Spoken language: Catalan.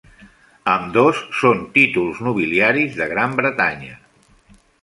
Ambdós són títols nobiliaris de Gran Bretanya.